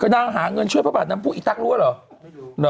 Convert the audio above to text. ก็นางหาเงินช่วยพระบาทนั้นพวกอีตรักรู้หรอ